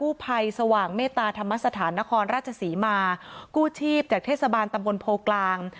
กูพัยสว่างเมตรธรรมสถานนะครนราชศรีมากูชีพจากเทศบันตมพลคราง